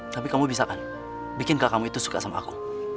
tapi kamu bisa kan bikinkah kamu itu suka sama aku